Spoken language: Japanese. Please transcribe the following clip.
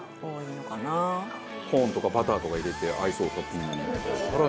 コーンとかバターとか入れて合いそうトッピングに。